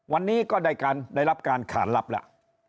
วันนี้ก็ได้รับการขานรับแล้ว